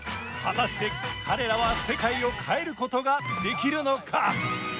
果たして彼らは世界を変えることができるのか。